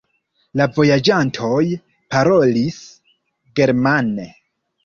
La vojaĝantoj parolis germane.